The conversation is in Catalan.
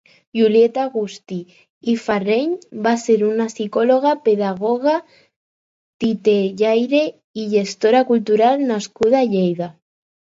Julieta Agustí i Farreny va ser una psicòloga, pedagoga, titellaire i gestora cultural nascuda a Lleida.